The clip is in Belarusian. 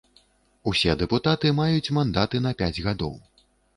Усе дэпутаты маюць мандаты на пяць гадоў.